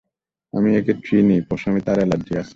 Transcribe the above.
আমি একে চিনি, পসামে তার এলার্জি আছে।